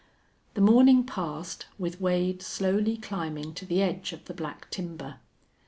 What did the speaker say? The morning passed, with Wade slowly climbing to the edge of the black timber.